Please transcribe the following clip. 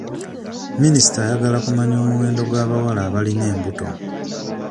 Minisita ayagala kumanya omuwendo gw'abawala abalina embuto.